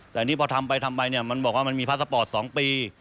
แต่นี่พอทำไปมันบอกว่ามันมีพระสปอร์ต๒ปี